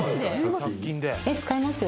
えっ使いますよ